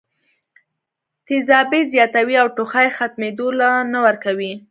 تېزابيت زياتوي او ټوخی ختمېدو له نۀ ورکوي